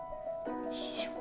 よいしょ。